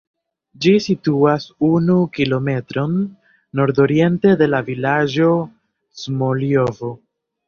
Ĝi situas unu kilometron nordoriente de la vilaĝo Smoljovo.